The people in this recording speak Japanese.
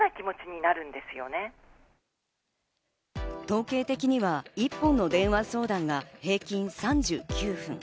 統計的には一本の電話相談が平均３９分。